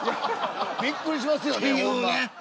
びっくりしますよね。